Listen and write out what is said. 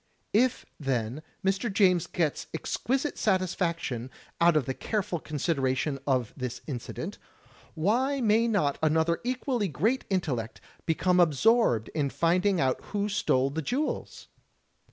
If, then, Mr. James gets exquisite satisfaction out of the careful consideration of this incident, why may not another equally great intellect become absorbed in finding out who stole the jewels?